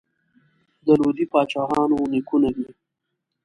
د لودي پاچاهانو نیکونه دي.